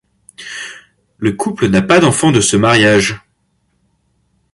Le couple n'a pas d'enfant de ce mariage.